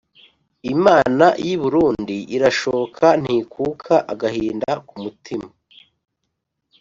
Imana y'i Burundi irashoka ntikuka-Agahinda ku mutima.